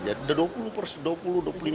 jadi sudah dua puluh persen